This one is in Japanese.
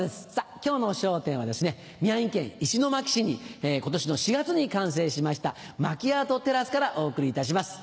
今日の『笑点』は宮城県石巻市に今年４月に完成しましたまきあーとテラスからお送りいたします。